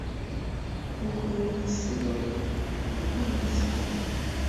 Ukunda igisigo nakwandikiye?